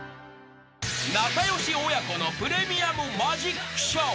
［仲良し親子のプレミアムマジックショー］